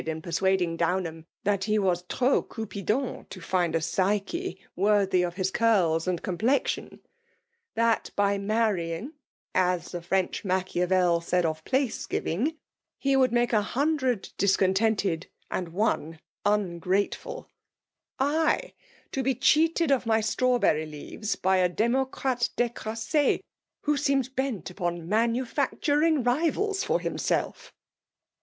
iil persuading Downham that he was trap CupidoM, to find a Psyche worthy of his curls and com* plexion ; that by marrying (as the fVench Machiavel said of place grnng), he wOold make a hundred discontented and one n&* grateful, — I, to be cheated of my strawberry leaves by a democrate dScraste, who seems bent upon manufacturing rivals for himself!